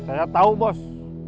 saya tau bos